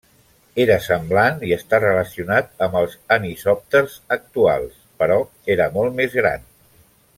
Era semblant i està relacionat amb els anisòpters actuals, però era molt més gran.